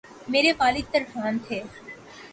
میرے والد ترکھان تھے